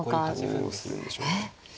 どうするんでしょうね。